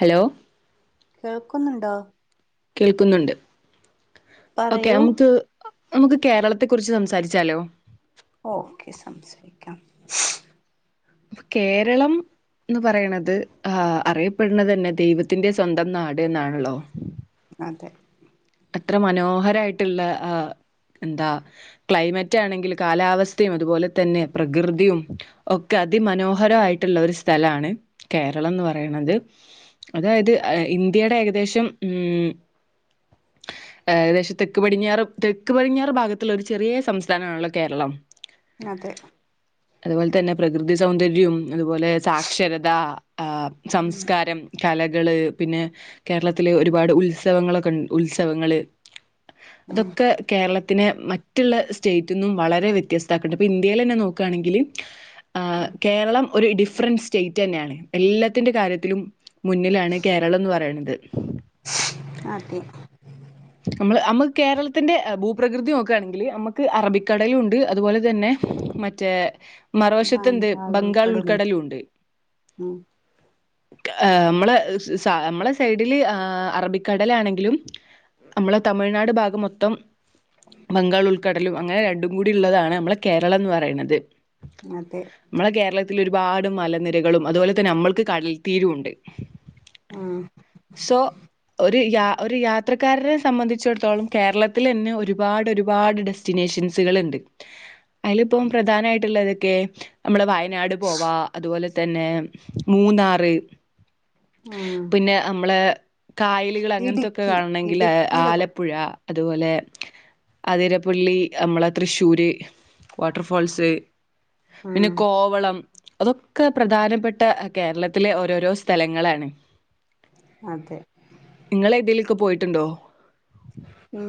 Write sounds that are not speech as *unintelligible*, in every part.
Hello കേൾക്കുന്നുണ്ടോ? കേൾക്കുന്നുണ്ട്. Okay പറയൂ അമ്മ ക്ക് നമുക്ക് കേരളത്തെ കുറിച്ച് സംസാരിച്ചാലോ? ഓക്കെ സംസാരിക്കാം. കേരളം ന്ന് പറയണത് ആഹ് അറിയപ്പെടണത് തന്നെ ദൈവത്തിന്റെ സ്വന്തം നാട് എന്നാണല്ലോ. അതെ. ഇത്ര മനോഹരായിട്ടുള്ള ആഹ് എന്താ ക്ലൈമറ്റ് ആണെങ്കില് കാലാവസ്ഥയും അതുപോലെ തന്നെ പ്രകൃതിയും ഒക്കെ അതി മനോഹരയിട്ടുള്ള ഒരു സ്ഥലാണ് കേരളംന്ന് പറയണത്. അതായത് ഇന്ത്യയുടെ ഏകദേശം മ്ഹ് ഏകദേശം തെക്കു പടിഞ്ഞാറ്, തെക്കു പടിഞ്ഞാറ് ഭാഗത്തുള്ള ഒരു ചെറിയ സംസ്ഥാനമാണല്ലോ കേരളം. അതെ. അതുപോലെ തന്നെ പ്രകൃതി സൗന്ദര്യോം അതുപോലെ സാക്ഷരത ആഹ് ഉം സംസ്കാരം കലകള് പിന്നെ കേരളത്തില് ഒരുപാട് ഉത്സവങ്ങളൊക്കെ ഇൺ ഉത്സവങ്ങള് ഉം അതൊക്കെ കേരള *unintelligible* മറ്റുള്ള സ്റ്റേറ്റ്ന്നും വളരെ വ്യത്യസ്തം *unintelligible* ഇപ്പം ഇന്ത്യയിലന്നെ നോക്കാണെങ്കില് ആഹ് കേരളം ഒരു ഡിഫറന്റ് സ്റ്റേറ്റ് തന്നെയാണ്. എല്ലാത്തിന്റെ കാര്യത്തിലും മുന്നിലാണ് കേരളം എന്ന് പറയ *unintelligible* അതെ നമ്മൾ നമുക്ക് കേരളത്തിൻ്റെ ഭൂപ്രകൃതി നോക്കുകയാണെങ്കിൽ നമുക്ക് അറബിക്കടലുണ്ട് അതുപോലെ തന്നെ മറ്റേ മറുവശത്ത് ന്ത് ബംഗാൾ ഉൾക്കടലുണ്ട് ഉം ഏ മ്മളെ നമ്മളെ സൈഡില് ആ അറബിക്കടലാണെങ്കിലും നമ്മളെ തമിഴ്നാട് ഭാഗം മൊത്തം ബംഗാൾ ഉൾക്കടലും അങ്ങനെ രണ്ടും കൂടിള്ളതാണ് നമ്മളെ കേരളംന്ന് പറയുന്നത് അതെ നമ്മള കേരള ഒരുപാട് മലനിരകളും അതുപോലെ തന്നെ നമ്മൾക്ക് കടൽ തീരുണ്ട് ഉം സോ ഒരു യാത്ര ക്കാരനെ സംബന്ധിച്ചിടത്തോളം കേരളത്തിലെന്നെ ഒരുപാട് ഒരുപാട് ഡെസ്റ്റിനേഷൻസുകൾണ്ട് അയിൽപ്പം പ്രധാനമായിട്ടുള്ള ഏതൊക്കെ നമ്മളെ വയനാട് പോവാ അതുപോലെ തന്നെ മൂന്നാറ് ഉം പിന്നെ നമ്മളെ കായലുകൾ അങ്ങനത്തൊക്കെ ഇടുക്കി കാണണമെങ്കിൽ ഇടുക്കിയിലൊക്കെ ആലപ്പുഴ അതുപോലെ അതിരപ്പള്ളി നമ്മളെ തൃശ്ശൂര് വാട്ടർ ഫാൾസ് പിന്നെ ഉം കോവളം അതൊക്കെ പ്രധാനപ്പെട്ട കേരളത്തിലെ ഓരോരോ സ്ഥലങ്ങളാണ് അതെ ഒക്കെ പോയിട്ടുണ്ടോ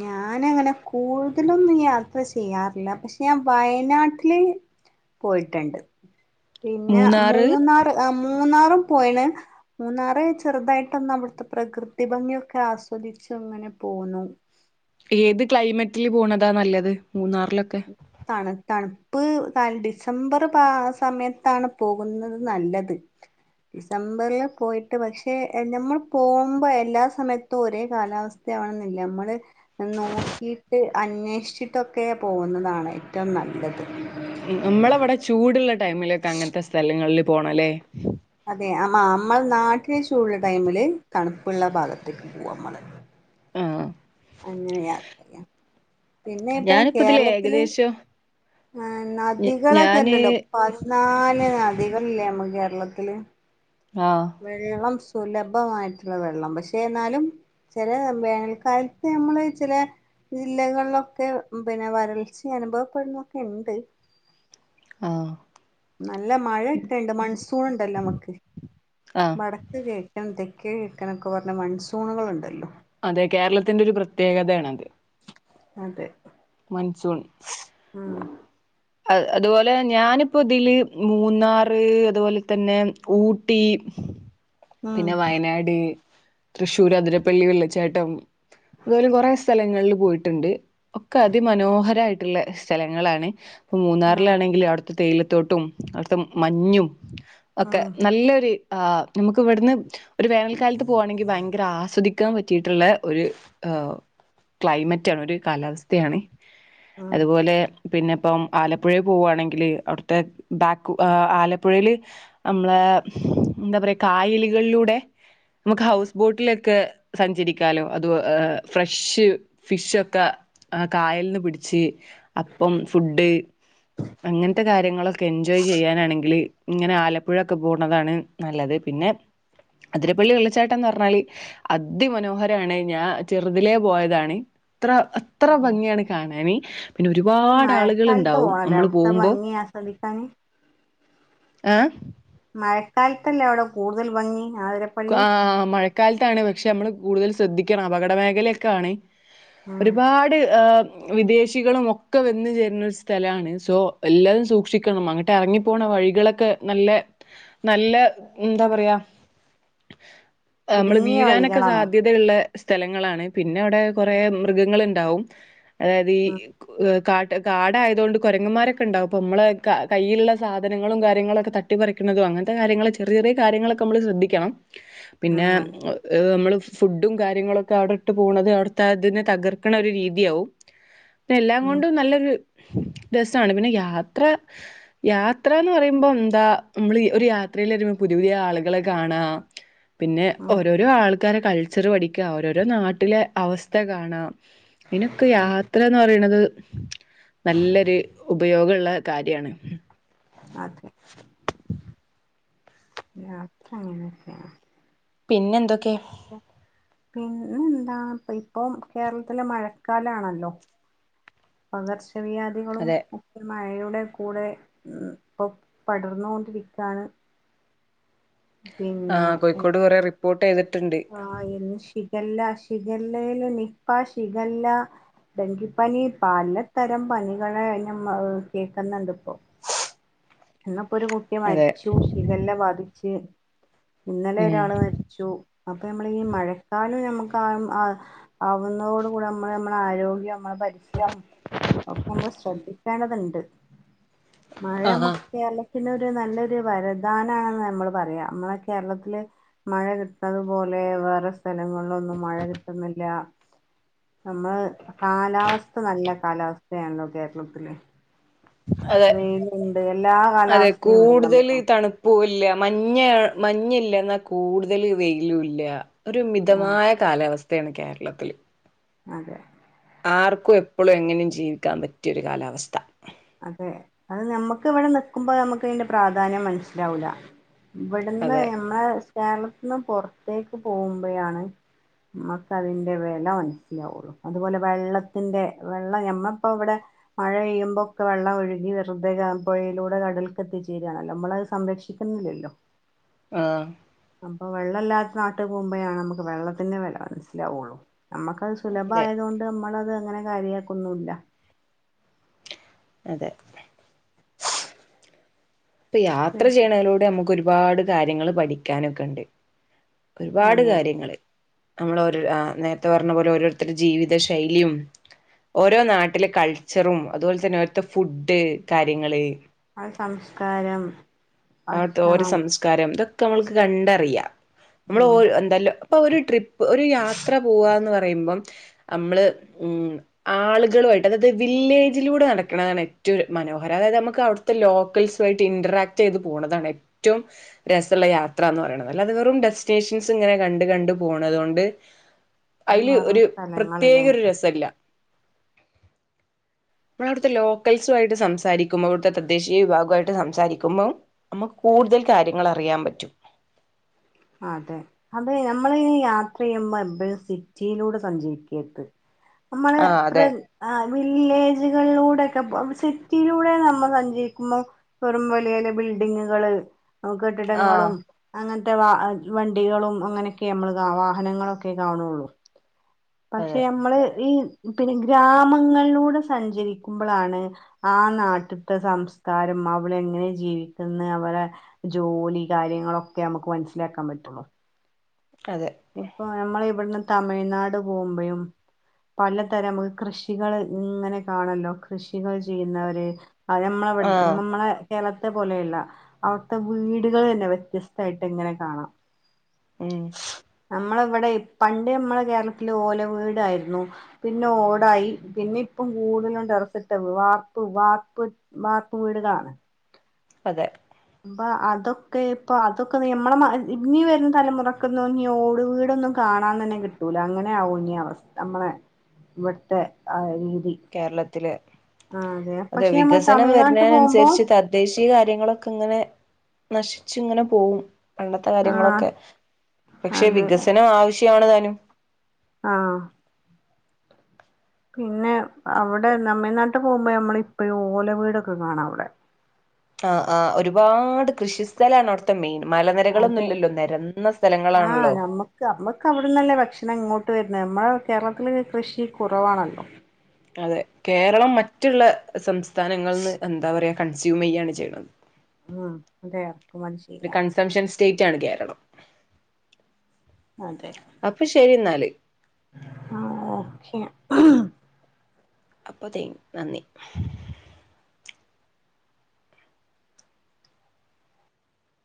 ഞാനങ്ങനെ കൂടുതലൊന്നും യാത്ര ചെയ്യാറില്ല പക്ഷെ ഞാൻ വയനാട്ടില് പോയിട്ടുണ്ട് പിന്നെ മൂന്നാറ് മൂന്നാർ മൂന്നാറും പോയിണ് മൂന്നാറ് ചെറുതായിട്ടൊന്ന് അവിടുത്തെ പ്രകൃതി ഭംഗിയൊക്കെ ആസ്വദിച്ചു അങ്ങനെ പോന്നു ഏത് ക്ലൈമറ്റില് പോണതാ നല്ലത് മൂന്നാറിലൊക്കെ തണ തണുപ് പ്പ് ഡിസംബർ പ സമയത്താണ് പോകുന്നത് നല്ലത് ഡിസംബറിൽ പോയിട്ട് പക്ഷേ നമ്മൾ പോകുമ്പോ എല്ലാ സമയത്തും ഒരേ കാലാവസ്ഥ നമ്മള് നോക്കിയിട്ട് അന്വേഷിച്ചിട്ടൊക്കെ പോകുന്നതാണ് ഏറ്റവും നല്ലത് നമ്മളവിടെ ചൂടുള്ള ടൈമിലൊക്കെ അങ്ങനത്തെ സ്ഥലങ്ങളില് പോണല്ലേ അതെ ആ നമ്മൾ നാട്ടില ചൂടുള്ള ടൈമില് തണുപ്പുള്ള ഭാഗത്തേക്ക് പോകും നമ്മള് ആ അങ്ങനെ യാത്ര ചെയ്യ പിന്നെ ഇപ്പ ഞാനിപ്പ ഇതില് കേരളത്തില് ഏകദേശം ആ ഞ- ഞാന് നദികളൊക്കെല്ലല്ലോ പതിനാല് നദികളല്ലേ നമ്മുക്ക് കേ ര ളത്തില് ആ വെള്ളം സുലം ഭമായിട്ടുള്ള വെള്ളം പക്ഷേ എന്നാലും ചില വേനൽക്കാലത്ത് നമ്മള് ചില ജില്ലകളിലൊക്കെ പിന്നെ വരൾച്ച അനുഭവപ്പെടുന്നൊക്കെ ഉണ്ട് ആ നല്ല മഴ ഇക്കണ്ട് മൺസൂൺ ഉണ്ടല്ലോ നമക്ക് ആഹ് വടക്ക് കിഴക്കൻ തെ കിഴക്കനൊക്കെ പറഞ്ഞ മൺസൂണുകളുണ്ടല്ലോ അതെ കേരളത്തിന്റെ ഒരു പ്രത്യേകതയാണത് അതേ മൻസൂൺ അ അതുപോലെ ഞാനിപ്പോ ഇതില് മൂന്നാറ് അതുപോലെ തന്നെ ഊട്ടി ഉം പിന്നെ വയനാട് തൃശ്ശൂർ ആതിരപ്പള്ളി വെള്ളിച്ചാട്ടം അതുപോലെ കൊറെേ സ്ഥലങ്ങളിൽ പോയിട്ടുണ്ട് ഒക്കെ അതിമനോഹരായിട്ടുള്ള സ്ഥലങ്ങളാണ് ഇപ്പ ആഹ് മൂന്നാറിലാണെങ്കിൽ അവിടു തേയിലത്തോട്ടം അവിടുത്തെ മഞ്ഞും ഒക്കെ ഉം നല്ലൊരു ആ നമുക്ക് ഇവിടുന്ന് ഒരു വേനൽക്കാലത്ത് പോകുവാണെങ്കിൽ ഭയങ്കര ഭയങ്കര ആസ്വദിക്കാൻ പറ്റിയിട്ടുള്ള ഒരു ക്ലൈമറ്റ് ആണ് ഒരു കാലാവസ്ഥയാണ് ഉം അതുപോലെ പിന്നെ ഇപ്പം ആലപ്പുഴെൽ പോവുവാണെങ്കിൽ അവിടുത്തെ ബാക്ക് ആലപ്പുഴെൽ നമ്മളെ എന്താ പറയാ കായലുകളിലൂടെ നമുക്ക് ഹൗസ് ബോട്ടിലൊക്കെ സഞ്ചരിക്കാലോ അത് ഫ്രഷ് ഫിഷ് ഒക്കെ ആ കായലിന്ന് പിടിച്ച് അപ്പം ഫുഡ് അങ്ങനത്തെ കാര്യങ്ങളൊക്കെ എൻജോയ് ചെയ്യാനാണെങ്കില് ഇങ്ങനെ ആലപ്പുഴൊക്കെ പോണതാണ് നല്ലത് പിന്നെ അതിരപ്പള്ളി വെള്ളച്ചാട്ടംന്ന് പറഞ്ഞാല് അതിമനോഹരാണ് ഞാൻ ചെറുതിലേ പോയതാണ് അത്ര അത്ര ഉം ഭംഗിയാണ് കാണാന് പിന്നെ അത് ഒരുപാട് ആളുകൾ മഴക്കാലത്ത് ഉണ്ടാവും പോണല്ലേ നമ്മള് അവിടുത്തെ പോകുമ്പോ ഭംഗി ആസ്വദിക്കാന് ആ മഴക്കാലത്തല്ലേ അവിടെ കൂടുതൽ ഭംഗി ആതിരപ്പള്ളി ഴ കാലത്താണ് പക്ഷെ നമ്മള് കൂടുതൽ ശ്രദ്ധിക്കണം അപകട മേഖലയൊക്കെ ആണ് ഉം ഒരുപാട് വിദേശികളും ഒക്കെ വന്ന് ചേരുന്ന ഒരു സ്ഥലമാണ് സോ എല്ലാവരും സൂക്ഷിക്കണം അങ്ങട്ട് ഇറങ്ങിപ്പോണ വ വഴികളൊക്കെ നല്ല നല്ല എന്താ പറയാ നമ്മള് ഇടുങ്ങിയ വീഴാനൊക്കെ വഴികളാണോ സാധ്യതയുള്ള സ്ഥലങ്ങളാണ് പിന്നെ അവിടെ കുറെ മൃഗങ്ങളുണ്ടാവും അതായത് ഈ ഉം കാ കാട് ആയതുകൊണ്ട് കുരങ്ങന്മാരൊക്കെണ്ടാവും അപ്പ നമ്മള് കയ്യിലുള്ള സാധനങ്ങളും കാര്യങ്ങളൊക്കെ തട്ടി പറിക്കുന്നതുമാ അങ്ങനത്തെ കാര്യങ്ങൾ ചെറിയ ചെറിയ കാര്യങ്ങളൊക്കെ നമ്മൾ ശ്രദ്ധിക്കണം പിന്നെ ഉം അതെ നമ്മള് ഫുഡും കാര്യങ്ങളൊക്കെ അവിടെ ഇട്ട് പോണത് അവിടുത്തെ അതിനെ തകർക്കണ ഒരു രീതിയാവും ഇപൊ എല്ലാം ഉം കൊണ്ടും നല്ലൊരു രസമാണ് പിന്നെ യാത്ര യാത്ര എന്ന് പറയുമ്പോൾ എന്താ നമ്മൾ ഒരു യാത്രയിൽരുപോൾ പുതയ പുതിയ ആളുകളെ കാണാ പിന്നെ ഉം ഓരോരോ ആൾക്കാര കൾച്ചർ പഠിക്കുക ഓരോരോ നാട്ടിലെ അവസ്ഥ കാണാം അയിനൊക്കെ ഉം യാത്ര എന്ന് പറയുന്നത് നല്ലൊരു ഉപയോഗള്ള കാര്യാണ് അതേ യാത്ര അങ്ങനൊക്കെയാണ് പിന്നെ എന്തൊക്കെ പിന്നെ എന്താ ഇപ്പൊ കേരളത്തില് മഴക്കാലാണല്ലോ പകർച്ചവ്യാധികളും അതെ ഒക്കെ മഴയുടെ കൂടെ ഇപ്പൊ പടർന്നുകൊണ്ടിരിക്കയാണ് ആ കോഴിക്കോട് കുറെ റിപ്പോർട്ട് ചെയ്തിട്ട് ആ ഇന്ന് ഷിഗെല്ല ഷിഗലേല് നിപ്പാ, ഷിഗെല്ല ഡെങ്കിപ്പനി പലതരം പനികളെ ഞ്ഞമ്മ കേൾക്ക്‌ന്ന്ണ്ട് ഇപ്പോ ഇന്ന്പ്പൊ ഒരു കുട്ടി അതെ മരിച്ചു ഷിഗെല്ല ബാധിച്ച് ഇന്നലെ ഉം ഒരാള് മരിച്ചു ഒക്ക നമ്മള് ഈ മഴക്കാലം നമ്മ ക്കാലം ആ ആവുന്നതോട് കൂടെ നമ്മള് നമ്മടെ ആരോഗ്യം നമ്മളെ പരിസരോം ഒക്കേംമ്മള് ശ്രദ്ധിക്കേണ്ടത്ണ്ട് മഴ മ്മ് ആഹാ ക്കലക്കന് ഒരു നല്ലൊരു വരധാനാണാന്ന് മ്മള് പറയാ മ്മളെ കേരളത്തില് മഴ കിട്ടണത് പോലെ വേറെ സ് ഥലങ്ങളിലൊന്നും മഴ കിട്ടുന്നില്ല നമ്മള് കാലാവസ്ഥ നല്ല കാലാവസ്ഥയാണല്ലോ കേരളത്തില് അതെ വെയിലുണ്ട് എല്ലാ അതെ കാലാവസ്ഥയും ഉണ്ടല്ലോ കൂടുതൽ നമ്മുക്ക് തണുപ്പുല്ല മഞ്ഞ് മഞ്ഞില്ലെന്ന കൂടുതല് വെയിലും ഇല്ല ഒരു ആഹ് മിതമായ കാലാവസ് സ്ഥ കേരളത്തില് അതെ ആർക്കും എപ്പള്ളും എങ്ങനേം ജീവിക്കാൻ പറ്റിരു കാലാവസ്ഥ അതെ അത് നമ്മക്ക് ഇവിടെ നിക്കുമ്പോ നമ്മക്ക് അതിന്റെ പ്രാധാന്യം മനസ്സിലാവൂല ഇവിട്ന്ന് അതെ നമ്മെയെ കേരളത്തിന്ന് പൊറത്തേക്ക് പോവുമ്പയാണ് മ്മക്ക് അതിന്റെ വെല മനസ്സിലാവുള്ളു അതുപോലെ വെള്ളത്തിന്റെ വെള്ളം ഞമ്മപ്പ ഇവ്ടെ മഴ പെയ്യുമ്പോ ഒക്ക വെള്ളം ഒഴ്കി വെറുതെ ഡാം പുഴയിലൂടെ കടൽക്ക്ത്തിച്ചേര്ണല്ലോ മ്മളത് സംരക്ഷിക്കുന്നില്ലല്ലോ ആ അപ്പൊ വെള്ളല്ലാത്ത നാട്ട് പോവുമ്പഴാണ് നമ്മക്ക് വെള്ളത്തിന്റെ വെല മനസ്സിലാവുള്ളു നമ്മക്കത് അതെ സുലഭായത് കൊണ്ട് നമ്മളത് അങ്ങനെ കാര്യക്കൊന്നുല്ല അതെ ഇപ്പ യാത്ര ചെയ്യണതിലൂടെ നമുക്ക് ഒരുപാട് കാര്യങ്ങള് പഠിക്കാനൊക്കെ ഇണ്ട് ഒരുപാട് അതെ കാര്യങ്ങള് നമ്മൾ ഓരോര് ആ നേരത്തെ പറഞ്ഞ പോലെ ഓരോരുത്തരെ ജീവിത ശൈലിയും ഓരോ നാട്ടിലെ കൾച്ചറും അതുപോലെ തന്നെ ഓരത്ത ഫുഡ് കാര്യങ്ങള് ആ സംസ്കാരം അവിടുത്തെ ഓരോ ഭക്ഷണം സംസ്കാരം തൊക്ക മ്മൾക്ക് കണ്ടറിയാ മ്മള് ഉം ഓരൊ എന്തലോ പ്പൊ ഒരു ട്രിപ്പ് ഒരു യാത്ര പൂവാന്ന് പറയുമ്പം അമ്മള് ഉം ആള്കളു യിട്ട് അതാത് വില്ലേജിലൂടെ നടക്കണതാണ് ഏറ്റവും മനോഹരം അതായത് മ്മക്ക് അവിട്ത്തെ ലോക്കൽസുയിട്ട് ഇന്റാക്ട്യ്ത് പോണതാണ് ഏറ്റവും രസള്ള യാത്ര ന്ന് പറയണത് അല്ലാതെ വെറും ഡെസ്റ്റിനേഷൻസ് ങ്ങനെ കണ്ട് കണ്ട് പോണ ത് കൊണ്ട് അയില് ഓരോ ഒരു പ്രത്യേക സ്ഥലങ്ങളിലെ ഒരു രസല്ല മ്മള് അവ്ട്ത്തെ ലോക്കൽസു ആയിട്ട് സംസാരിക്കുമ്പോ അവിടുത്തെ തദ്ദേശീയ വിഭാഗ്വായിട്ട് സംസാരിക്കുമ്പോം അമ്മുക്ക് കൂടുതൽ കാര്യങ്ങളറിയാ പറ്റും അതെ അതേ നമ്മളിങ്ങനെ യാത്രിയുമ്പോ എപ്പഴും സിറ്റിലൂടെ സഞ്ചരിക്കര്ത് നമ്മള് ആ അതെ *unintelligible* ആ വില്ലേജ്കളിലൂടക് ക പോവ്മ്പ സിറ്റിലൂടെ നമ്മ സഞ്ചരിക്കുമ്പോ വെറും വലിയലിയ ബിൽഡിങ്ങ്കള് ആഹ് കെട്ടിടങ്ങളും അങ്ങൻത്തെ വാ അത് വണ്ടികളും അങ്ങനെക്കെ അമ്മള് കാ വാഹനങ്ങളൊക്കെ കാണുള്ളു പക്ഷെ അതെ നമ്മള് ഈ പിന്നെ ഗ്രാമങ്ങളിലൂടെ സഞ്ചരിക്കുമ്പളാണ് ആ നാട്ടിത്തെ സംസ്കാരം മവളെങ്ങനെ ജീവിക്കന്നെ അവരെ ജോലി കാര്യങ്ങളൊക്കെ നമുക്ക് മനസ്സിലാക്കാൻ പറ്റുള്ളു അതെ ഇപ്പൊ നമ്മള് ഇവിട്ന്ന് തമിഴ്നാട് പോവുമ്പഴും പലതരം മ്മക്ക് കൃഷികള് ഇങ്ങനെ കാണല്ലോ കൃഷികൾ ചെയ്യുന്നവര് അതെമ്മളെ ഇബ്ടെ ആഹ് മ്മ്മ്മടെ കേരള ത്തെ പോലെയല്ല അവ്ട്ത്തെ വീടുകള് തന്നെ വ്യത്യസ്തയിട്ട് ങ്ങനെ കാണാം ഉം നമ്മള് ഇവിടെ പണ്ട് നമ്മുടെ കേരളത്തിൽ ഓല വീടായിരുന്നു പിന്നെ ഓടായി പിന് ഇപ്പം കൂടുതലും തറസിട്ട വാർപ്പ് വാപ്പ് വാർപ്പ് വീടുകാണ് അതെ പ്പ അതൊക്കെ ഇപ്പൊ അതൊക്കെ നമ്മടെ മ ഇനി വരുന്ന തലമുറക്കൊന്നും നീ ഓട് വീടൊന്നും കാ കാണാൻ തന്നെ കിട്ടൂല അങ്ങനെയകും ഇനി അവസ്ഥ നമ്മളെ ഇവിടത്തെ അ കേരളത്തില് അതെ പക്ഷെ നമ്മൾ വികസനം തമിഴ്നാട്ട് പോകുമ്പോ വരുന്നതിനനുസരിച്ച് തദ്ദേശ ചില കാര്യങ്ങളൊക്കെ ഇങ്ങനെ നശിച്ചു ഇങ്ങനെ പോകും പണ്ടത്തെ ആ കാര്യങ്ങളൊക്കെ പക്ഷെ അതെ വികസനം ആവശ്യമാണ് താനും ആ പിന്നെ അവിടെ നമ്മിടെനാ ട്ട് പോകുമ്പോ നമ്മള് ഇപ്പഴും ഓല വീടൊക്കെ കാണാം അവിടെ ആ ആ ഒരുപാട് കൃഷി സ്ഥലാണ് അവിടത്തെ മെയിൻ മലനിരകളൊന്നും അതെ ഇല്ലല്ലോ നിരന്ന ആഹ് സ്ഥലങ്ങളാണല്ലോ നമ്മക്ക് നമ്മക്ക് അവിടന്നല്ലേ ഭക്ഷണം ഇങ്ങോട്ട് വരുന്നത് നമ്മടെ കേരളത്തില് കൃഷി കുറവാണല്ലോ അതെ കേരളം മറ്റുള്ള സംസ്ഥാനങ്ങളിൽന്ന് എന്താ പറയാ കൺസ്യൂം ചെയ്യയാണ് ചെയ്യുന്നത് ഉം അത ഇറക്കും മതി ഒരു ചെയ്യാം കൺസംഷൻ സ്റ്റേറ്റ് ആണ് കേരളം അതെ അപ്പൊ ശരി എന്നാല് ആ ഓക്കേ അപ്പൊതേ നന്ദി